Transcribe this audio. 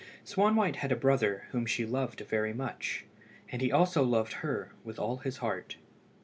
Swanwhite had a brother whom she loved very much, and he also loved her with all his heart.